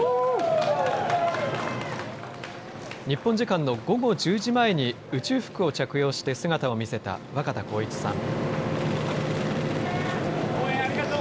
日本時間の午後１０時前に宇宙服を着用して姿を見せた若田光一さん。